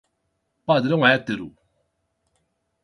Padrão hétero